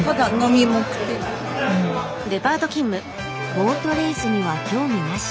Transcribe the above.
ボートレースには興味なし。